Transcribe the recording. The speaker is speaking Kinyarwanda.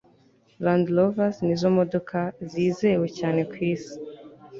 land rovers nizo modoka zizewe cyane kwisi